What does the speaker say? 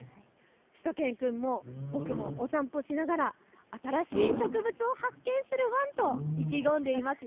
しゅと犬くんも、僕もお散歩しながら新しい植物を発見するワン！と意気込んでいます。